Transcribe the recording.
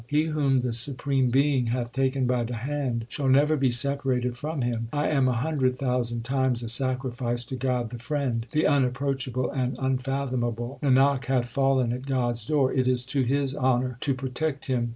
He whom the Supreme Being hath taken by the hand shall never be separated from Him. I am a hundred thousand times a sacrifice to God the Friend, the unapproachable and unfathomable. Nanak hath fallen at God s door : it is to His honour to protect him.